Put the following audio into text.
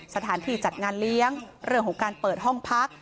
สถานที่จัดงานเลี้ยงเรื่องของการเปิดห้องพัก